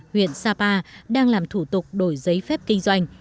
huyện sapa đang làm thủ tục đổi giấy phép kinh doanh